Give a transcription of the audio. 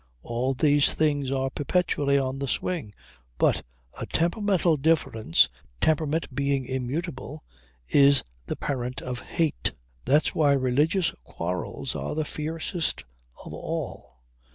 All these things are perpetually on the swing. But a temperamental difference, temperament being immutable, is the parent of hate. That's why religious quarrels are the fiercest of all.